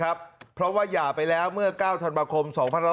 เพราะว่าหย่าไปแล้วเมื่อ๙ธันวาคม๒๕๖๒